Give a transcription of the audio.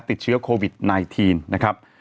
ติดเชื้อโควิด๑๙นะครับ